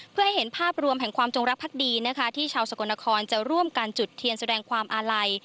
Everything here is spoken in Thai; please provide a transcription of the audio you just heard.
เพื่อให้เห็นภาพรวมแห่งความจงรักพักดีนะคะที่ชาวสกลนครจะร่วมกันจุดเทียนแสดงความอาลัย